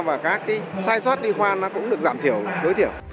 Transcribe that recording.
và các sai sót đi khoan nó cũng được giảm thiểu đối thiểu